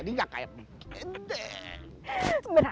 jadi gak kayak begini deh